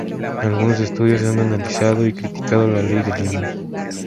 Algunos estudios han analizado y criticado la ley de Linus.